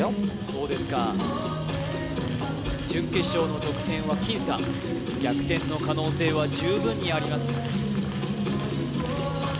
そうですか準決勝の得点は僅差逆転の可能性は十分にあります